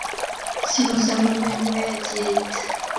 Si kosorun eng' me-et ye it